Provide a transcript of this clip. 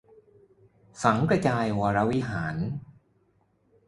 สังข์กระจายวรวิหาร